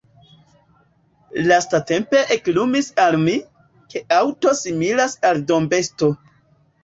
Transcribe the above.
Lastatempe eklumis al mi, ke aŭto similas al dombesto.